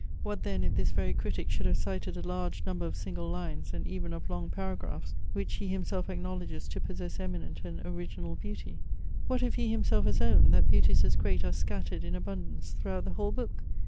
What then if this very critic should have cited a large number of single lines and even of long paragraphs, which he himself acknowledges to possess eminent and original beauty? What if he himself has owned, that beauties as great are scattered in abundance throughout the whole book?